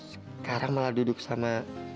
sekarang malah duduk sama